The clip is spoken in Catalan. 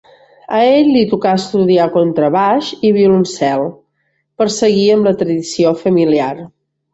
A ell li tocà estudiar contrabaix i violoncel per a seguir amb la tradició familiar.